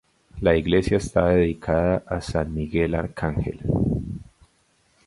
La iglesia está dedicada a san Miguel Arcángel.